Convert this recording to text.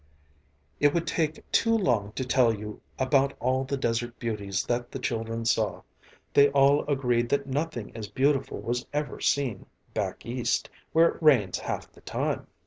It would take too long to tell you about all the desert beauties that the children saw, they all agreed that nothing as beautiful was ever seen "back East" where it rains half the time.